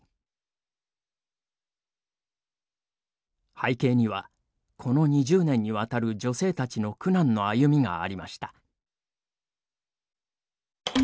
背景にはこの２０年にわたる女性たちの苦難の歩みがありました。